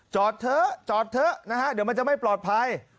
จอดเถอะจอดเถอะนะฮะเดี๋ยวมันจะไม่ปลอดภัย